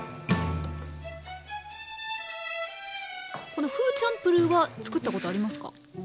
このフーチャンプルーは作ったことありますか？